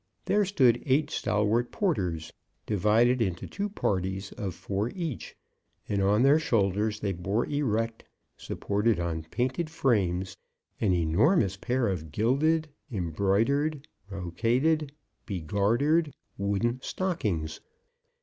There stood eight stalwart porters, divided into two parties of four each, and on their shoulders they bore erect, supported on painted frames, an enormous pair of gilded, embroidered, brocaded, begartered wooden stockings.